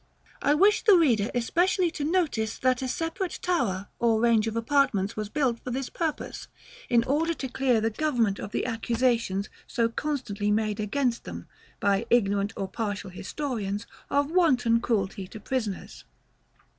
I wish the reader especially to notice that a separate tower or range of apartments was built for this purpose, in order to clear the government of the accusations so constantly made against them, by ignorant or partial historians, of wanton cruelty to prisoners.